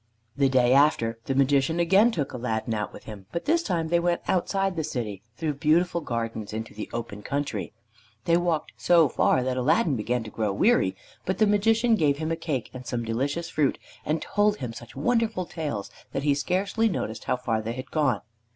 The day after, the Magician again took Aladdin out with him, but this time they went outside the city, through beautiful gardens, into the open country. They walked so far that Aladdin began to grow weary, but the Magician gave him a cake and some delicious fruit and told him such wonderful tales that he scarcely noticed how far they had gone.